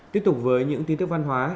tiếp tục với những tin tức văn hóa